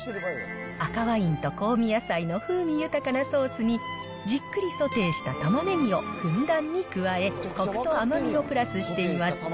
赤ワインと香味野菜の風味豊かなソースに、じっくりソテーしたたまねぎをふんだんに加え、コクと甘みをプラスしています。